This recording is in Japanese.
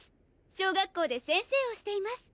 小学校で先生をしています。